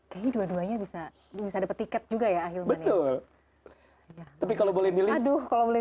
kayaknya dua duanya bisa bisa dapat tiket juga ya ahilman ya tapi kalau boleh milih aduh kalau boleh